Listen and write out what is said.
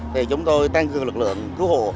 thì chúng tôi tăng cường lực lượng cứu hộ